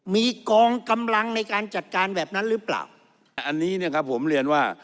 มีกองกำลังในการจัดการแบบนั้นหรือเปล่าอันนี้เนี่ยครับผมเรียนว่า